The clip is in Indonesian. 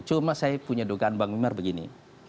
cuma saya punya dugaan bang wimar begini